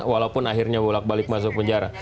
walaupun akhirnya bolak balik masuk penjara